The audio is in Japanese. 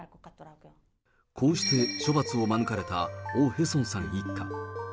こうして処罰を免れたオ・ヘソンさん一家。